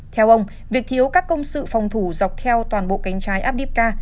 theo ông việc thiếu các công sự phòng thủ dọc theo toàn bộ cánh trái abdibka